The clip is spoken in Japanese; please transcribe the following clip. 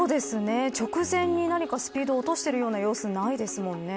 直前に何かスピードを落としているような様子はないですもんね。